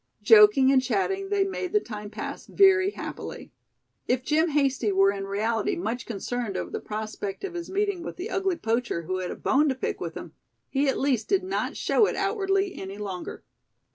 Joking and chatting, they made the time pass very happily. If Jim Hasty were in reality much concerned over the prospect of his meeting with the ugly poacher who had a bone to pick with him, he at least did not show it outwardly any longer.